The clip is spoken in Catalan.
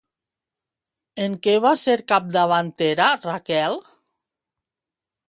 En què va ser capdavantera Raquel?